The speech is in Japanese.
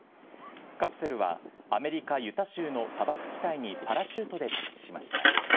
カプセルはアメリカ・ユタ州の砂漠地帯にパラシュートで着地しました。